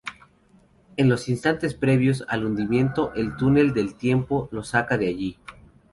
En los instantes previos al hundimiento, el túnel del tiempo los saca de allí.